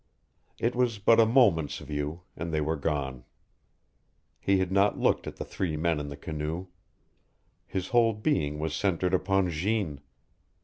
It was but a moment's view, and they were gone. He had not looked at the three men in the canoe. His whole being was centered upon Jeanne.